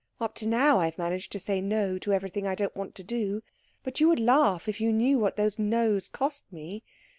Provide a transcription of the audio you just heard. "Up to now I have managed to say No to everything I don't want to do. But you would laugh if you knew what those Nos cost me.